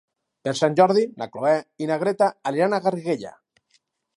Per Sant Jordi na Cloè i na Greta aniran a Garriguella.